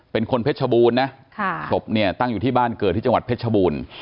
เป็นคนเพชรบูรณ์นะศพเนี่ยตั้งอยู่ที่บ้านเกิดที่จังหวัดเพชรชบูรณ์